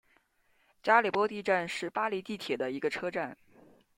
加里波第站是巴黎地铁的一个车站。